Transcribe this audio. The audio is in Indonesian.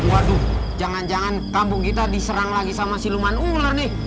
waduh jangan jangan kampung kita diserang lagi sama siluman ular nih